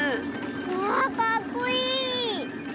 わあかっこいい！